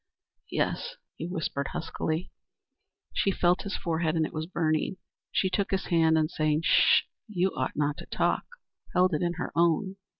"Yes," he whispered huskily. She felt his forehead, and it was burning. She took his hand and saying, "Sh! You ought not to talk," held it in her own.